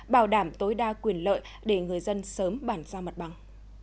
bảo đảm tối đa quyền lợi để người dân sớm bản ra mặt bằng